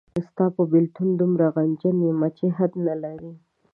ستا په بېلتون دومره غمجن یمه چې حد نلري